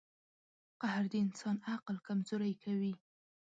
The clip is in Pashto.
• قهر د انسان عقل کمزوری کوي.